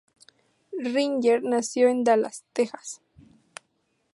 Ringer nació en Dallas, Texas.